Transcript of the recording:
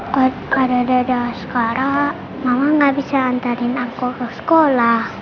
kad ada dada askara mama nggak bisa antarin aku ke sekolah